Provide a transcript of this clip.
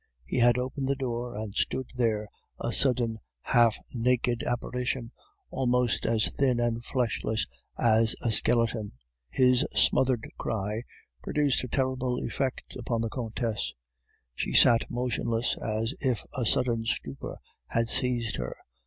He had opened the door and stood there, a sudden, half naked apparition, almost as thin and fleshless as a skeleton. "His smothered cry produced a terrible effect upon the Countess; she sat motionless, as if a sudden stupor had seized her.